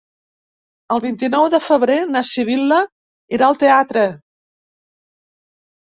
El vint-i-nou de febrer na Sibil·la irà al teatre.